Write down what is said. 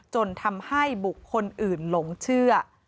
จนทำให้บุคคลอื่นหลงเชื่อ